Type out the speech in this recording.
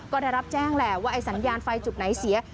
ก็ได้รับแจ้งแหละว่าไอ้สัญญาณไฟจุดไหนเสีย